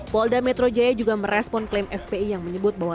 polda metro jaya juga merespon klaim fpi yang menyebut bahwa